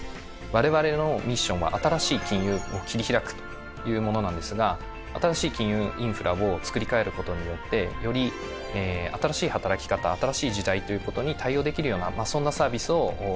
我々のミッションは「新しい金融を切り拓く」というものなんですが新しい金融インフラを作り替える事によってより新しい働き方新しい時代という事に対応できるようなそんなサービスを提供していきたいと考えています。